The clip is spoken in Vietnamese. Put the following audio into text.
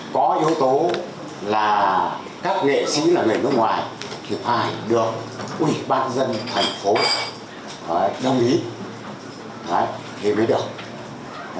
có yếu tố là các nghệ sĩ là người nước ngoài thì phải được ủy ban nhân dân tp đồng ý thì mới được